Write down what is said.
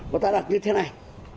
mà ta đặt như thế này